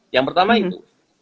yang pertama itu